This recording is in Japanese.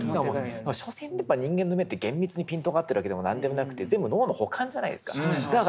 所詮人間の目って厳密にピントが合ってるわけでも何でもなくて全部脳の補完じゃないですか。